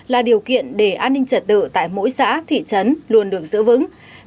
là điều kiện để an ninh trật tự tại mỗi xã thị trấn luôn được giữ vững